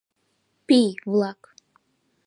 — Пий-влак...